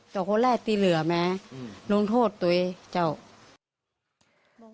แต่คนแรกตีเหลือมาร่วงโทษตัวเอง